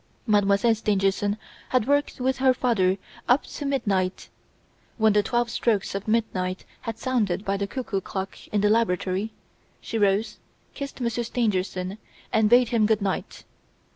Mademoiselle Stangerson had worked with her father up to midnight; when the twelve strokes of midnight had sounded by the cuckoo clock in the laboratory, she rose, kissed Monsieur Stangerson and bade him good night.